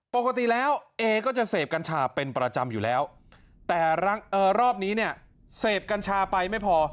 ปกติแล้วเอก็จะเสพกัญชาเป็นประจำอยู่แล้วแต่รอบนี้เนี่ยเสพกัญชาไปไม่พอ